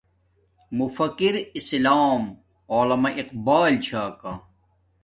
مفکِر اسلام علامہ اقبال چھا کا